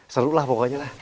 seru lah pokoknya lah